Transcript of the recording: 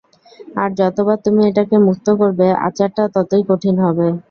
আর যতবার তুমি এটাকে মুক্ত করবে, আচারটা ততই কঠিন হবে।